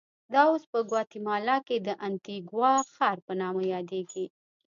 دا اوس په ګواتیمالا کې د انتیګوا ښار په نامه یادېږي.